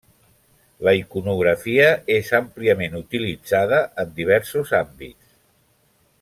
La iconografia és àmpliament utilitzada en diversos àmbits.